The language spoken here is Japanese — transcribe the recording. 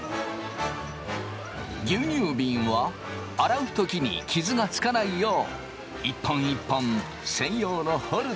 牛乳びんは洗う時に傷がつかないよう一本一本専用のホルダーへ。